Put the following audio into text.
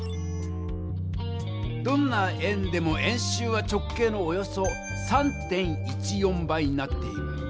どんな円でも円周は直径のおよそ３．１４倍になっている。